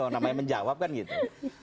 namanya menjawab kan gitu